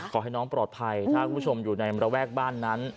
ขอให้น้องปลอดภัยถ้าคุณผู้ชมอยู่ในระแวกบ้านนั้น